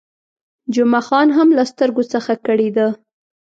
جمعه خان هم له سترګو څخه کړېده.